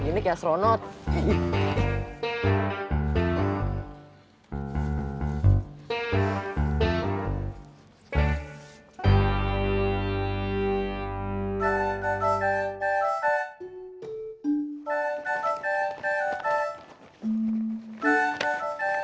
jadi kek perempuan aneh gitu ada sih